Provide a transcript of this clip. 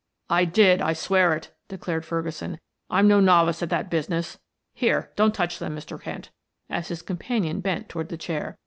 "I did; I swear it," declared Ferguson. "I'm no novice at that business. Here, don't touch them, Mr. Kent," as his companion bent toward the chair.